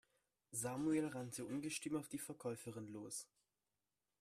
Samuel rannte ungestüm auf die Verkäuferin los.